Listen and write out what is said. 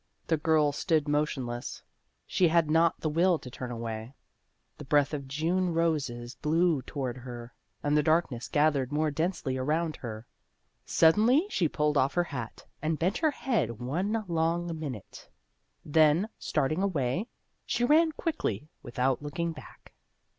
The girl stood motionless ; she had not the will to turn away ; the breath of June roses blew toward her, and the darkness gathered more densely around. Suddenly she pulled off her hat, and bent her head one long minute. Then, starting away, she ran quickly without looking back.